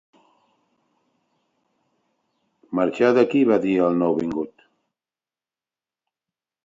"Marxeu d'aquí", va dir el nouvingut.